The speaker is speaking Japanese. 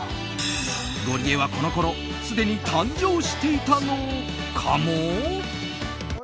ゴリエはこのころすでに誕生していたのかも？